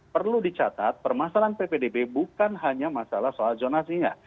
perlu dicatat permasalahan ppdb bukan hanya masalah soal zonasinya